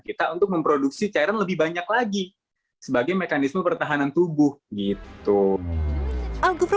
kita untuk memproduksi cairan lebih banyak lagi sebagai mekanisme pertahanan tubuh gitu